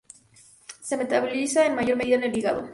Se metaboliza en mayor medida en el hígado.